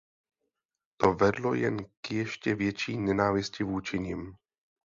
To vedlo jen k ještě větší nenávisti vůči nim.